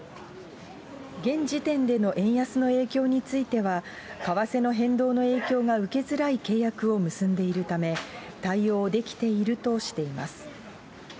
現時点での円安の影響については、為替の変動の影響が受けづらい契約を結んでいるため、対応できているとしています。